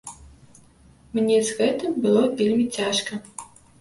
Мне з гэтым было вельмі цяжка.